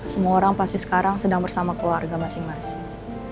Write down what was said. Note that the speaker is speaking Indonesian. semua orang pasti sekarang sedang bersama keluarga masing masing